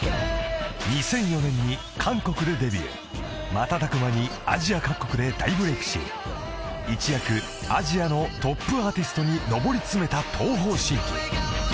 ［瞬く間にアジア各国で大ブレークし一躍アジアのトップアーティストに上り詰めた東方神起］